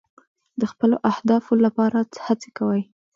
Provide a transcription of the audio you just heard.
د خپلو اهدافو لپاره هڅې کوئ.